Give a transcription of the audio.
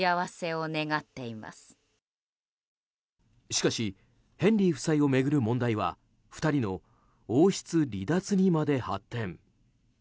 しかしヘンリー夫妻を巡る問題は２人の王室離脱にまで発展。